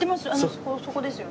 そこですよね？